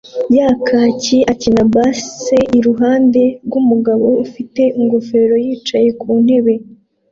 ya kaki akina bass iruhande rwumugabo ufite ingofero yicaye ku ntebe